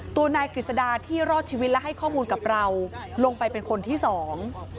ตัวนายกฤษดาที่รอดชีวิตและให้ข้อมูลกับเราลงไปเป็นคนที่สอง